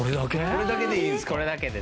これだけで大丈夫です。